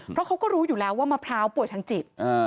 เพราะเขาก็รู้อยู่แล้วว่ามะพร้าวป่วยทางจิต